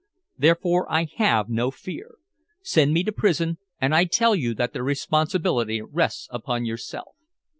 "Therefore I have no fear. Send me to prison, and I tell you that the responsibility rests upon yourself."